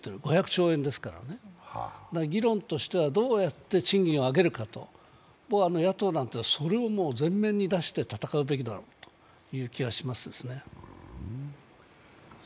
５００兆円ですから、議論としてはどうやって賃金を上げるかを野党はそれを前面に出して戦うべきだろうと思います。